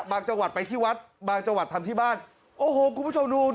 จังหวัดไปที่วัดบางจังหวัดทำที่บ้านโอ้โหคุณผู้ชมดู